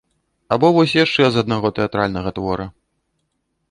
Або вось яшчэ з аднаго тэатральнага твора.